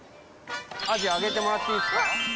アジあげてもらっていいですか？